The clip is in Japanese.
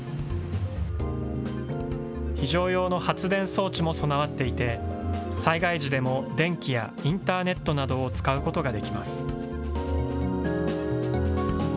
非常用の発電装置も備わっていて、災害時でも電気やインターネットなどを使うことができます。